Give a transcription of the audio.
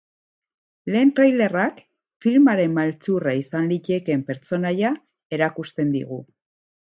Lehen trailerrak filmaren maltzurra izan litekeen pertsonaia erakusten digu.